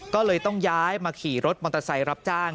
ก็เลยต้องย้ายมาขี่รถมอเตอร์ไซค์รับจ้าง